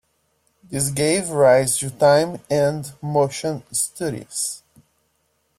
This gave rise to time and motion studies.